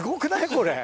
これ。